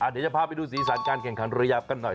เดี๋ยวจะพาไปดูสีสันการแข่งขันระยะกันหน่อย